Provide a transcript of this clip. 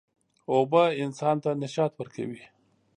اوبه انسان ته نشاط ورکوي.